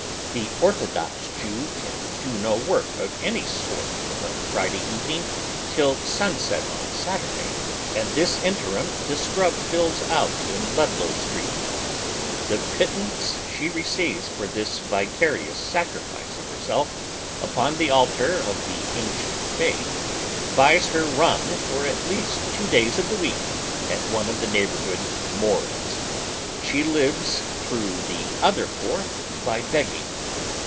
The orthodox Jew can do no work of any sort from Friday evening till sunset on Saturday, and this interim the scrub fills out in Ludlow Street. The pittance she receives for this vicarious sacrifice of herself upon the altar of the ancient faith buys her rum for at least two days of the week at one of the neighborhood " morgues." ,y Google PAUPEItISM IN THE TENEMENTS. 249 She lives througli tlie other four by begging.